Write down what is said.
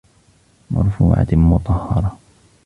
مرفوعة مطهرة